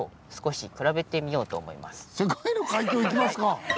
世界の海峡いきますか